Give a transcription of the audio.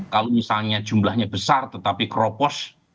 kalau misalnya jumlahnya besar tetapi keropos